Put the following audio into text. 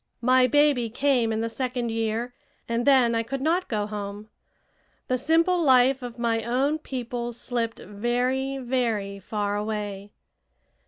My baby came in the second year, and then I could not go home. The simple life of my own people slipped very, very far away.